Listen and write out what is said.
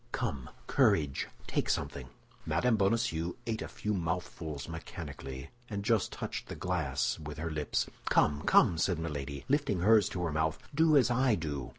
Come, courage! take something." Mme. Bonacieux ate a few mouthfuls mechanically, and just touched the glass with her lips. "Come, come!" said Milady, lifting hers to her mouth, "do as I do."